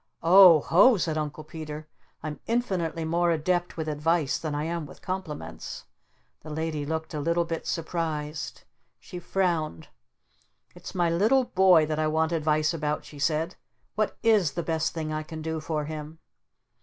"Oh ho!" said Uncle Peter. "I'm infinitely more adept with advice than I am with compliments!" The Lady looked a little bit surprised. She frowned. "It's my little boy that I want advice about," she said. "What IS the best thing I can do for him?"